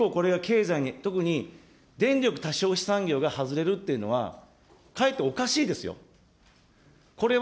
結構、これが経済に、特に電力産業が外れるというのは、かえっておかしいですよ。